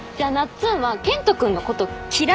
つんは健人君のこと嫌い？